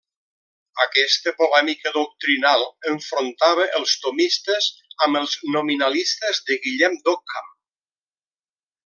Aquesta polèmica doctrinal enfrontava als tomistes amb els nominalistes de Guillem d'Occam.